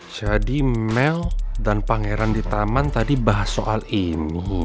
jadi mel dan pangeran di taman tadi bahas soal ini